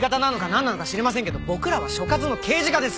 んなのか知りませんけど僕らは所轄の刑事課です！